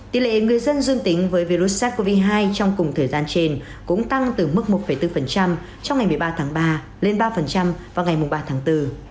tỷ lệ người dân dương tính với virus sars cov hai trong cùng thời gian trên cũng tăng từ mức một bốn trong ngày một mươi ba tháng ba lên ba vào ngày ba tháng bốn